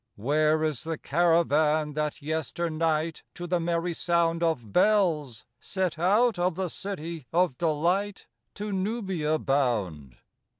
Where is the caravan that yesternight, To the merry sound Of bells, set out of the city of delight To Nubia bound?